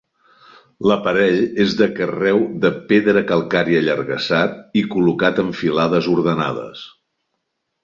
L'aparell és de carreu de pedra calcària allargassat i col·locat en filades ordenades.